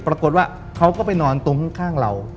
ปรากฏว่าเขาก็ไปนอนตรงข้างเรา